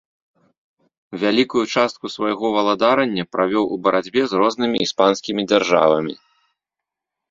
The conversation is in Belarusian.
Вялікую частку свайго валадарання правёў у барацьбе з рознымі іспанскімі дзяржавамі.